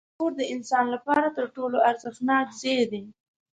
کور د انسان لپاره تر ټولو ارزښتناک ځای دی.